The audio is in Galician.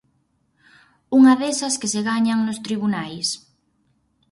Unha desas que se gañan nos tribunais.